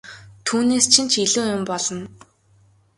Түүнээс чинь ч илүү юм болно!